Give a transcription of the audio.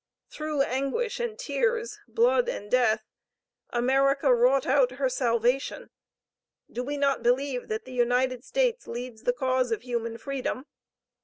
Through anguish and tears, blood and death America wrought out her salvation. Do we not believe that the United States leads the cause of human freedom?